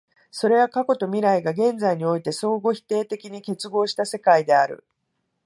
それは過去と未来が現在において相互否定的に結合した世界である。